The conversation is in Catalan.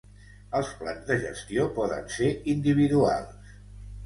Els plans de gestió poden ser individuals.